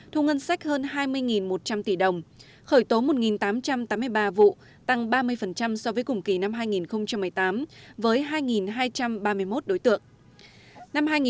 thu ngân sách hơn hai mươi một trăm linh tỷ đồng khởi tố một tám trăm tám mươi ba vụ tăng ba mươi so với cùng kỳ năm hai nghìn một mươi tám với hai hai trăm ba mươi một đối tượng